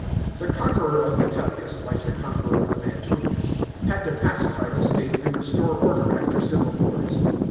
The conqueror of Vitellius, like the conqueror of Antonius, had to pacify the state and restore order after civil wars.